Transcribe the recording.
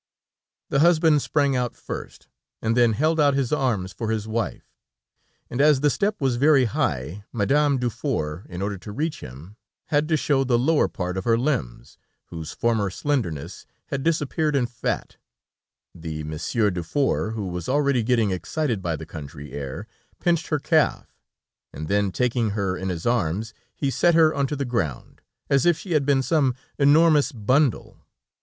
The husband sprang out first, and then held out his arms for his wife, and as the step was very high, Madame Dufour, in order to reach him, had to show the lower part of her limbs, whose former slenderness had disappeared in fat, the Monsieur Dufour, who was already getting excited by the country air, pinched her calf, and then taking her in his arms, he set her onto the ground, as if she had been some enormous bundle.